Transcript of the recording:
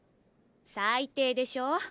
最低でしょ？